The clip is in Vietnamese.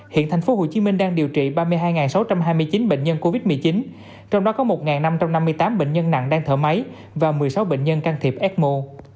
hiện tp hcm đang điều trị ba mươi hai sáu trăm hai mươi chín bệnh nhân covid một mươi chín trong đó có một năm trăm năm mươi tám bệnh nhân nặng đang thở máy và một mươi sáu bệnh nhân can thiệp ecmo